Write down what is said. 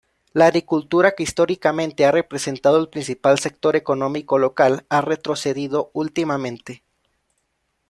La agricultura, que históricamente ha representado el principal sector económico local, ha retrocedido últimamente.